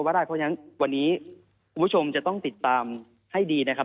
ได้เพราะฉะนั้นวันนี้คุณผู้ชมจะต้องติดตามให้ดีนะครับ